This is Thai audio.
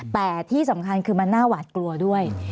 แต่ที่สำคัญคือมันน่าหวาดกลัวด้วย